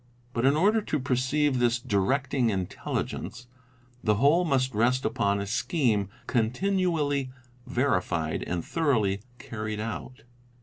But in order to perceive this " directing intelligence," the whole must rest upon a scheme continually verified and thoroughly carried out.